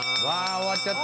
終わっちゃった。